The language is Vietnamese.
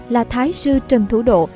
là thái sư trần thủ độ